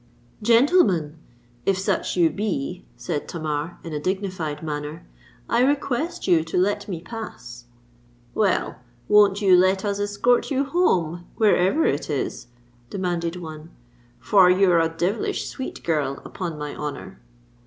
"Gentlemen—if such you be," said Tamar, in a dignified manner, "I request you to let me pass."—"Well, won't you let us escort you home, wherever it is?" demanded one; "for you're a devilish sweet girl, upon my honour."